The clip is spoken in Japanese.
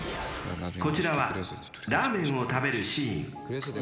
［こちらはラーメンを食べるシーン］